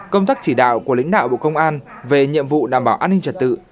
công tác chỉ đạo của lãnh đạo bộ công an về nhiệm vụ đảm bảo an ninh trật tự